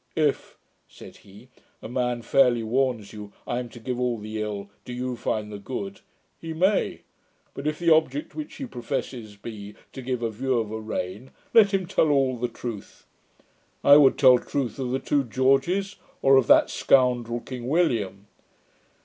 'If,' said he, 'a man fairly warns you, "I am to give all the ill; do you find the good", he may: but if the object which he professes be to give a view of a reign, let him tell all the truth. I would tell truth of the two Georges, or of that scoundrel, King William.